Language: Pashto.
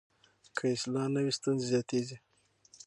که اصلاح نه وي، ستونزې زیاتېږي.